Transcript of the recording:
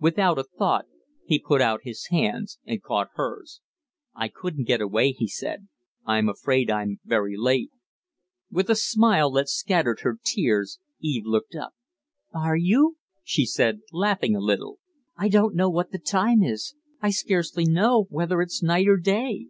Without a thought he put out his hands and caught hers. "I couldn't get away," he said. "I'm afraid I'm very late." With a smile that scattered her tears Eve looked up. "Are you?" she said, laughing a little. "I don't know what the time is. I scarcely know whether it's night or day."